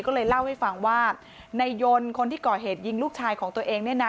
ก็เลยเล่าให้ฟังว่าในยนต์คนที่ก่อเหตุยิงลูกชายของตัวเองเนี่ยนะ